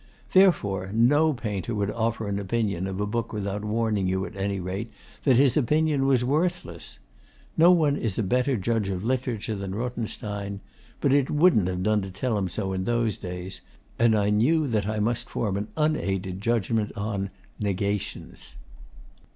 Therefore no painter would offer an opinion of a book without warning you at any rate that his opinion was worthless. No one is a better judge of literature than Rothenstein; but it wouldn't have done to tell him so in those days; and I knew that I must form an unaided judgment on 'Negations.